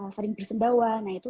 sering bersembawa nah itu